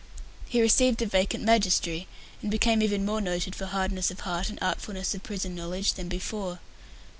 He received a vacant magistracy, and became even more noted for hardness of heart and artfulness of prison knowledge than before.